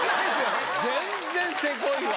全然せこいわ！